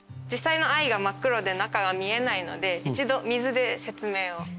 実際の藍が真っ黒で中が見えないので一度水で説明を。